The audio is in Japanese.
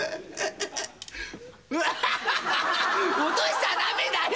落としちゃ駄目だよ。